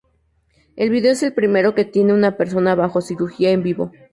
El video es el primero que tiene una persona bajo cirugía en vivo.